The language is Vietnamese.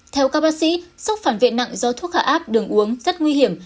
theo các bác sĩ sốc phản viện nặng do thuốc hạ áp đường uống rất nguy hiểm